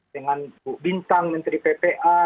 dengan bintang menteri ppr